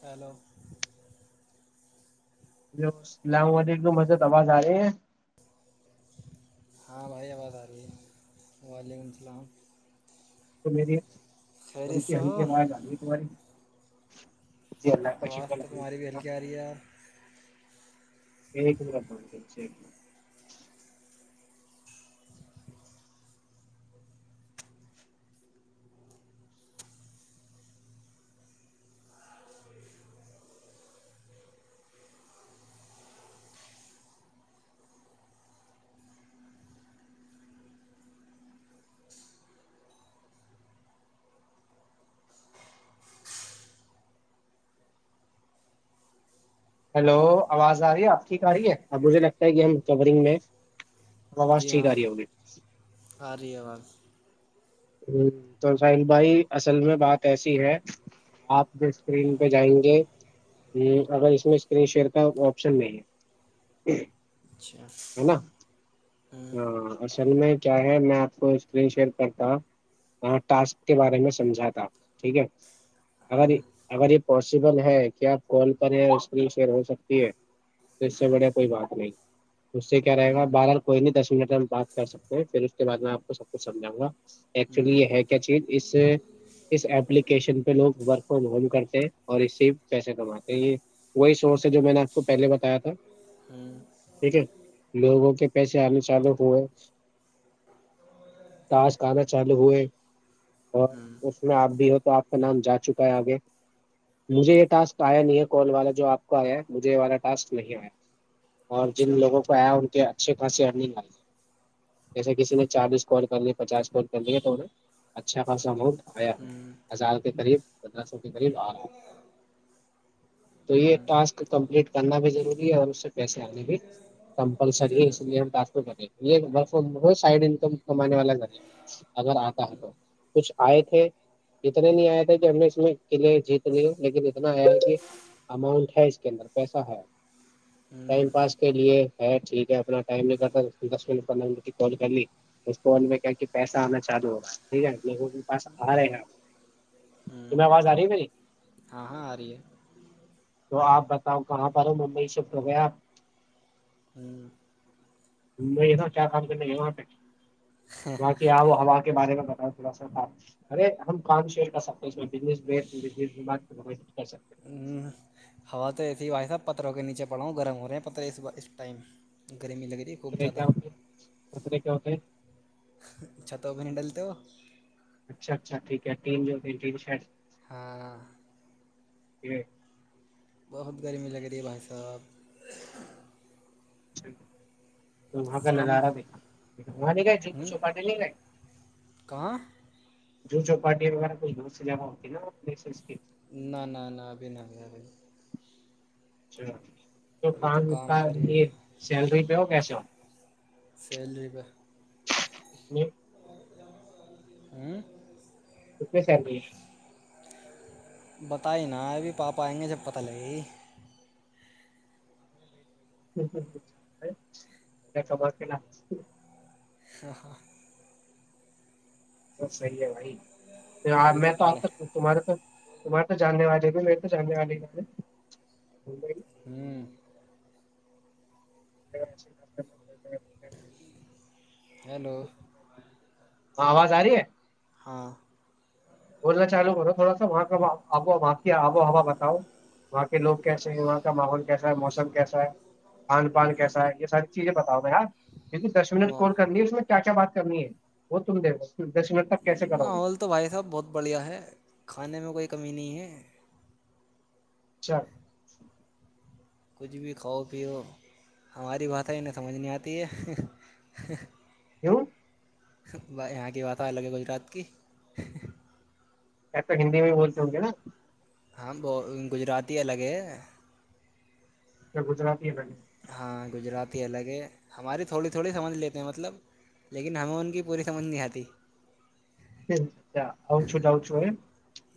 Hello hello اللام علیکم حضرت آواز آ رہی ہے ہاں بھائی آواز آ رہی ہے وعلیکم السلام تو میری تھوڑی خیریت سی سے ہلکی ہو اواز ارہی ہے تمہاری [unintelligible] جی اللہ کا آواز شکر تو تمہاری بھی ہے ہلکی آ رہی ہے یار ایک منٹ ہلو آواز آ رہی ہے آپ ٹھیک آ رہی ہے اب مجھے لگتا ہے کہ ہم کورنگ میں آواز جی ٹھیک ہاں آ رہی ہوگی آ رہی ہے آواز ہ تو ساحل بھائی اصل میں بات ایسی ہے آپ جو اسکرین ہوں، پہ جائیں گے ہ اگر اس میں اسکرین شیئر کا آپشن نہیں ہے اچھا ہے نا ہوں ہاں جن میں کیا ہے میں آ کو اسکرین شیئر کرتا ہ ٹاسک کے بارے میں سمجھا تھا ٹھیک ہے اگر ہوں اگر یہ پاسبل ہے کہ آپ فال پر اسکری شیئر ہو سکتی ہے تو اس سے بڑھیا کوئی بات نہیں اس سے کیا رہے گا ہوں بار بار کوئی نہیں دس منٹ میں ہم بات کر سکتے پھر اس کے بعد میں آپ کو سب کچھ سمجاؤں گا ایکچولی ہوں یہ ہے کیا چیز اس اس ایلیکیشن پہ لوگ ورک فرام ہوم کرتے ہیں اور اسسی پیسے کماتے ہیں یہ وہی سورس ہے جو میں نے آپ کو پہلے بتایا تھا ہوں ٹھیک لوگوں کے پیسے آنے چالو ہوئے ٹاسک انا چالو ہوئے اور ہوں اس میں آپ بھی ہو تو آپ کا نام جا چکا ہے آگے مجھے یہ ٹسک آیا نہیں ہے کال والا جو آپ کا آیا مجھے یہ والا ٹاسک نہیں آیا اور جن اچھا لوگوں کو آیا ان کے اچھے خاصی ارگ آ جیسے کسی نے چالیس کال کر لی پچاس کال کرے توے اچھا خاصہ اماؤنٹ ہوں ہزار قریب پندرہ سو کے قریب آ رہا ہے تو یہ ہوں ٹاسک کمپلیٹ کرنا بھی ضروری ہے اور اس سے پیسے آنے بھی کمپلسری ہے ضرور اس لیے ہم ٹاسک کو کر رہے ہیں یہ ب وہ سائڈ انکم کمانے والا ذریعہ ہے اگر آتا ہے تو کچھ آئے تھے اتنے نہیں آئے تھے کہ ہم نے اس میں کلے جیت لی لیکن اتنا آیا ہے کہ اماؤنٹ ہے اس کے اندر پیسا ہے ٹائم ہوں پاس کے لیے ٹھیک ہے اپنا ٹائم نہیںگ کرتا دس منٹ پندرہ منٹ کی کال کر لی اس فون میں کیا کہ پیسہ آنا جادو ہوگا ٹھیک ہے یہ کے پاس آ رہے ہیں آپ ہوں تمہیں آواز آ رہی میری ہاں ہاں ارہی ہے تو آپ بتاؤ کہاں پر ہ ممبئی شفٹ ہو گئے اپ ہوں گیاپ ممبئی میں کیا کام کرنے گے وہاں پہ [unintelligible] [unintelligible] ہ ہوا تو ایسی ہی بھائی صاحب پتھروں کے نیچے پڑاوں گرم ہو رہے ہیں پتر اس بار اس ٹائم گرمی لگ رہی خوب خطرے زیادہ کیا ہوتے ہیں؟ خطرے کیا ہوتے ہیں اچھا تو ابھی نہیں ڈلتے ہو اچھا اچھا ٹھیک ہے تین جوین شرٹ ہاں [unintelligible] بہت گرمی لگے رہیے بھائی صاحب چلو تو وہاں پہ کام نظارا دیکھا وہاں نہیں گئے ج ہوں چوپاٹٹی نہیں گئے کہاں جو چوپاٹی وغیرہ کوئی سے جانہ ہوتی نا پ نہ نہ نہ ابھی نہیں ابھی [inaudible] تو ابھی کام کا پر ہی یہ سیلری پہ ہو کیسے ہو سیلری کا اتنی [inaudible] [inaudible] کتنے سیلری ہے بت ہی نا ابھی پاپا آئیں گے جب پتہ لگے گ [unintelligible] [inaudible] بس صحیح ہے بھائی ابھی میں تو آ پڑھ تک ہوں تمہارے پ تہارے تو جاننے والے بھی میرے تو جاننے والے گ ہم [inaudible] ہیلو ہاں آواز آ رہی ہے ہاں بولنا چالو کرو تھوڑا سا وہاں کا کی آب و ہوا بتاؤ وہاں کہ لوگ کیسے ہیں وہاں کا ماحول کیسا ہے موسم کیسا ہے کھان پان کیسا ہے یہ ساری چیزیں بتاؤ بھے ہاں لیکن دس منٹ کال کرنی ہے اس میں کیا کیا بات کمی ہے وہ تم دیکھو دس منٹ تک کیسے کرو گے ب بڑھیا ہے کھانے میں کوئی کمی نہیں ہے اچھا کچھ بھی کھاؤ پیو ہماری باتیں انہیں سمجھ نہیں آتی ہے کیوں بھایی یہاں کی باتہ الگ ہے گجرات کی ہندی میں بھی بولتے ہوں گے نا ہاں تو گجراتی الگ ہے کیا گجرات الگ ہیں ہاں گجراتی الگ ہیں ہماری تھوڑی تھوڑی سمجھ لیتے ہیں مطلب لیکن ہمیں ان کی پوری سمجھ نہیں آتی کیا آؤ چو جاؤ چو ا [inaudible]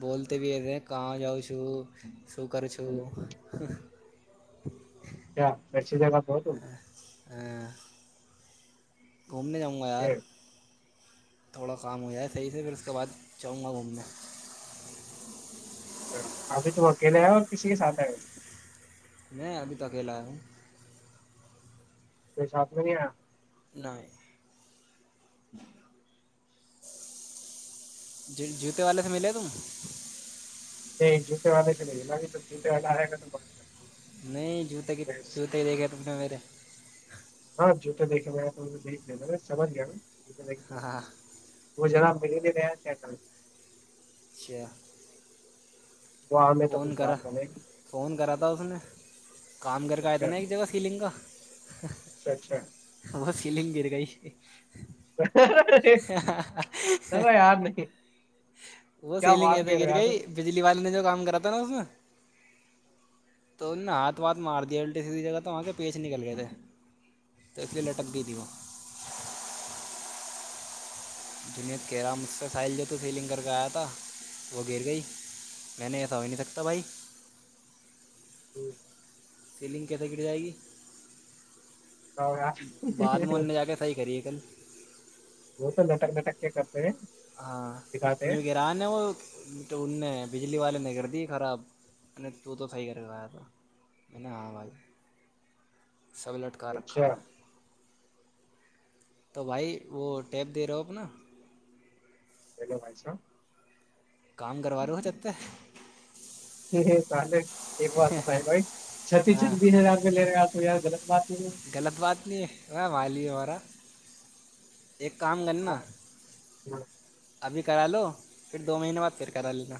بولتے کہاں جاؤ شروع [inaudible] ہو کرو چھپ [inaudible] [unintelligible] [inaudible] گھومنے جاؤں گا یار تھوڑا کام ہو جائے صحیح سے پھر اس کے بعد جاؤں گا گھومنے اچھا ابھی تم اکیلے آئے ہو اور کسی کے ساتھ آئے ہو میں ابھی تو اکیلا آیا ہوں کوئ ساتھ میں نہیں آیا نہیں جوتے والے سے ملے تم نہیں جوتے والے سے نہیں ہم تو جوتے والا آیا گا تو بات کریں نہیں جوتے کے گے بس جوتے ہی رہ گے میرے دیکے گا تو دیکھ لایا سمجھ گیا نا ہاں وہ جرا [unintelligible] اچھا وہاں میں تو فون کچھ کرا بات کریں فون کرا تھا اس نے کام کر کے آیا اچھا تھا نا ایک جگہ سیلنگ کا اچھا اچھا وہ سیلنگ گر گئی ارے یار نہیں وہ سیلینگ بات کیسے کہہ رہے ہو گر یار گئ بجلی و کام کرا تھا نا اس تو ہاتھ واتھ مار دیا الٹی سھی جگہ تو وہ کے پیچ نکل گئے تھے تو اس لیے لٹک گئی تھی وہ جنید کہ را مجھ سے سائل جو تو سیلنگ کر کے آیا تھا وہ گر گئی میں نے ایسا ہو نہیں سکتا بھائی [unintelligible] سیلنگ کیسے گر جائے گی بعد میں ان نے جا کے صحیح کری ہے کل وہ تو لٹک لٹک [unintelligible] ہاں دکھاتے ہیں جو گران ہیں وہ ڈونڈنے ہیں بجلی والے نے کر دی خراب ت تو تہ سئی کرنے آیا تھا تو میں نے ہاں بھائی سب لٹکا رکھا اچھا ہے تو بھائی وہ ٹیب دے رہے ہو اپنا ہیلو بھائی ساہ کام کروا رہے ہو چبتے چے ایک بات نہ س بھائی چھتی چھ ہاں بی ہزار پہ لے رہے آ تو یار غلط بات نہیں ہے غلط بات نہیں ہے وہ مالی ہے ہمارا ایک کام کرنا ہاں ابھی کرا لو پھر دو مہینے بعد پھر کرا لینا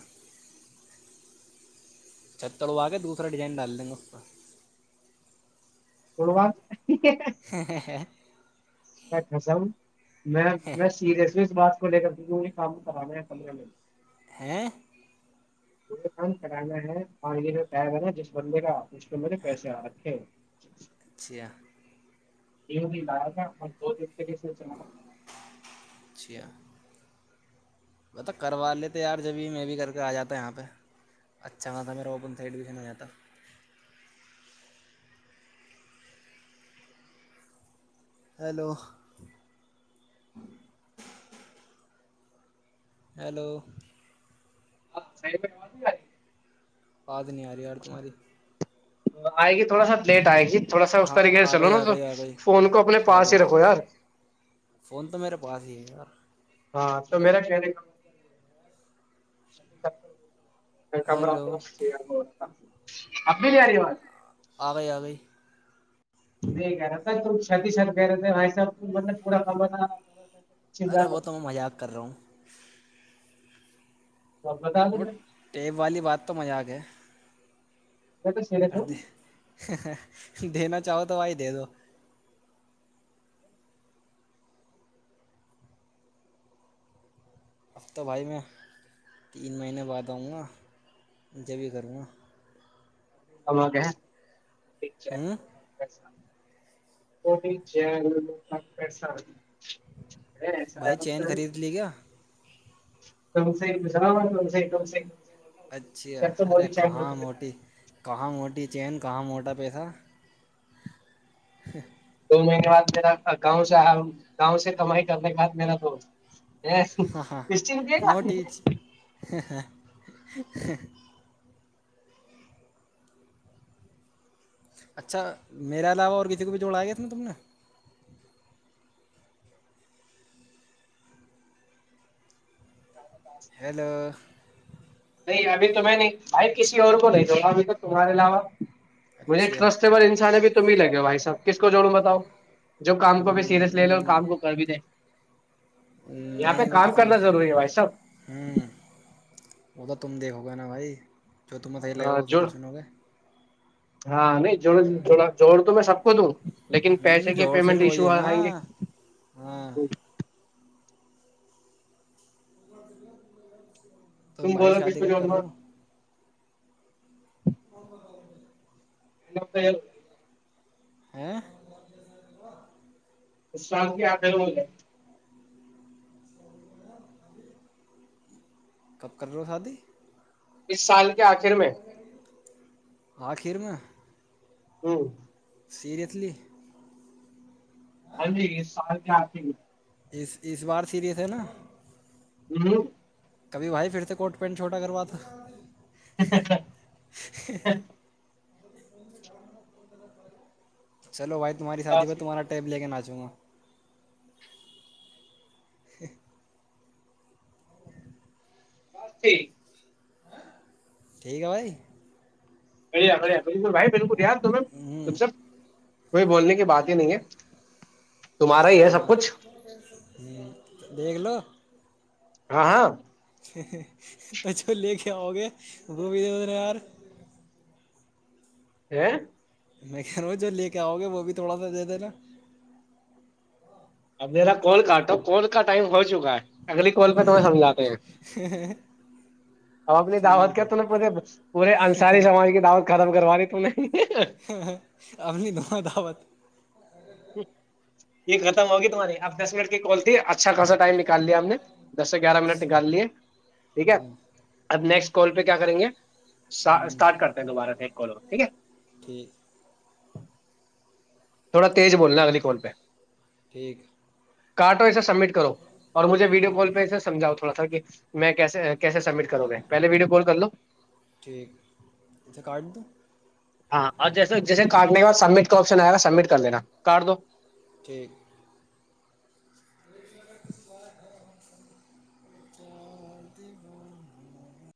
چتر وہ آ کے دوسرا ڈیزائن ڈال دیں گے اس کا تھ بات ہاں ہاں ہاں سم میں میں سیریس بات کو لے کر کے کام کرانا ہے پندرہ من ہیں پ یہ کام کرانا ہے اور یہ جو ٹائب ہے نا جس بندے کا [inaudible] اس پہ مجھے پیسے آرکھے ہے جچ اچھا [inaudible] [inaudible] ابے تو کروا لیتے یار جبھی میں بھی گھر پہ آ جاتا یہاں پہ اچھا ہوتا اگر سے ایڈمیشن ہو جاتا ہیلو ہیلو ہاں بھائی آواز نہیں آرہی آواز نہیں آ رہی یار تمہاری آئے گی تھوڑا سا لیٹ آئے گی تھوڑا سا اس ہاں طریقے سے آ چلو گئی نا آ تو گئی آ گئی فون کو اپنے آ پاس ہی گئی رکھو یار فون تو میرے پاس ہی ہے یار ہاں تو میرا کہنے کا مطلب یہ ہے کہ ہیلو کمر [inaudible] اب کلیئر آرہی ہے آواز آگئی آگئی [inaudible] ارے رہا وہ تو تھا۔ میں مذاق کر رہا ہوں تو اب بتا دو وہ میں ٹیپ والی بات تو مذاق ہے تو سیریس ہوں کردے دینا چاہو تو بھائی دے دو اب تو بھائی میں تین مہینے بعد آؤں گا جبھی کروں گا آوگ ہوں مسا کوٹی ج پسا بھائی چین خرید لی کیا [inaudible] اچھی جب تو ارے موٹی چائ کہاں موٹی کہاں موٹی چین کہاں موٹا پیسہ [unintelligible] دو مہینے بعد میرا گاؤں سے آیا گاؤں سے کمائی کرنے کے بعد میرا دوست ہاہا اسٹی روپے کا موٹی [inaudible] اچھا میرے علاوہ اور کسی کو بھی جوڑایا گیا تھا نا تم نے [inaudible] ہیلو نہیں ابھی تو میں نے بھائی کسی اور کو نہیں [inaudible] ابھی تو تمہارے علاوہ مجھے اچھا ٹرسٹب انسان بھی تو م ل گے بھائی صحب کس کو جوڑوں بتاؤں جو کام کو بھی سیریس لے لے اور کام کو کر بھی دے یہاں پہ نہیں وہ کام تو کرنا ضروری ہے بھائی صاب [unintelligible] ہوں [unintelligible] وہ تو تم دیکھو گے نا بھائی [unintelligible] جو ت میں تھ لے ہاں تھے تو جوڑ چو ن ہو گئے [unintelligible] ہاں نہیں جو جور تو میں سب [unintelligible] کو [unintelligible] لیکن ہوں پیسے کے جوڑ پھر پیمنٹ وہی ایشو ہے آ نا آیں گے ہاں [unintelligible] تو تم بھائی بولاو کس شادی کو کب کر جورم رہے ہو [inaudible] [unintelligible] [unintelligible] [unintelligible] ہاں [unintelligible] اس سال کیا آد ہے بولے کب کر رہے ہو شادی [unintelligible] اس سال کے آخر میں [unintelligible] آخیر میں [unintelligible] ہ [unintelligible] سریسلی [unintelligible] ارے یہ سال کیا آتی [unintelligible] اس اس بار سیریس ہے نا [unintelligible] ہ [unintelligible] کبھی بھائی پھرتے کوٹ پینٹ چھوٹا کروات تو [unintelligible] [inaudible] [unintelligible] چلو و [unintelligible] تمہاریادی ب تمہ ٹ ل کے آاؤںا [unintelligible] [inaudible] [unintelligible] بس ٹھیک ہے بھائی [unintelligible] کھیا کڑے [unintelligible] بالکل بھائی بالکل یاد تمیں ہوں کچھ سب [unintelligible] کوئی بولنے کی بات ہی نہیں ہے [unintelligible] ہی ہے سب تومار کچھ یہ [unintelligible] بیگلو [unintelligible] ہاں ہاں [unintelligible] تو جھ لے کے آؤ گے وہبد ن ار [unintelligible] ا [unintelligible] میں کہ رہا جو لے کے آؤ گے وہ بھی تھوڑا سا دے دینا اب میرا کال کا تو کال کا ٹائم ہو چکا ہے [unintelligible] اگلی کال پہ تمہیں سمجھاتے ہیں اب اپنی دعوت ٹھیک کے ہے تو پورے انصاری سماج کی دعوت ختم کروانی ت نے انی د دوت ہ یہ ختم ہوگی تمہاری اب دس منٹ کی کال تھی اچھا خاصا ٹائم نکال لیا ہم نے دس سے گیارہ منٹ نکال لیے ٹھیک ہے ہوں اب نیکسٹ کال پہ کیا کریں گے ہوں اسٹارٹ کرتے ہیں دوبارہ سے ایک کالو ٹھیک ہے ٹھیک تھوڑا تیز بولنا اگلی کوال پہ ٹھیک کاٹ وس سبمٹ کرو اور مجھے ویڈیو او کال پہ ایےمجھؤ تو ڑا تھا کہ میں کیس کیسے سبمٹ کر گے پہے ویڈیو کال کر لو ٹھیک اے کاٹ دو ہاں اور جیسے جیسے کاٹنے کے بع سبمٹ کا آپشن آئے گا سبمٹ کر دینا کاٹ دو ٹھیک تو بن